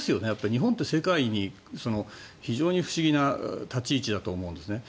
日本って世界で非常に不思議な立ち位置だと思うんですね。